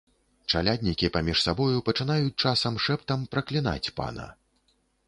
Чаляднікі паміж сабою пачынаюць часам шэптам праклінаць пана.